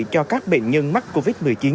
cho các bệnh nhân mắc covid một mươi chín